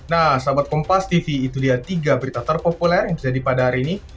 nah sahabat kompas tv itu dia tiga berita terpopuler yang terjadi pada hari ini